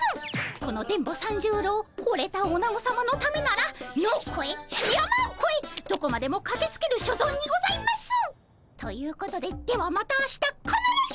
この電ボ三十郎ほれたおなごさまのためなら野をこえ山をこえどこまでもかけつける所存にございます！ということでではまた明日かならず！